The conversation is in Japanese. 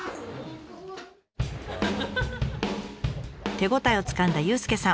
手応えをつかんだ佑介さん。